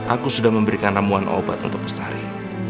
aku sudah memberikan namuan obat untuk bestari